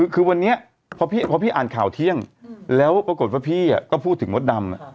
คือวันนี้พอพี่อ่านข่าวเที่ยงแล้วปรากฏว่าพี่ก็พูดถึงมดดำ